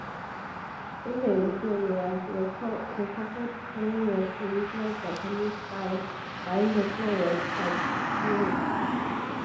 In the interior, the coffered ceiling was traditional Japanese-style, while the floor was parquetry.